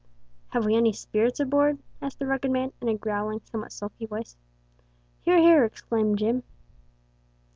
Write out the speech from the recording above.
"Have we any spirits aboard?" asked the rugged man, in a growling, somewhat sulky, voice. "Hear hear!" exclaimed Jim.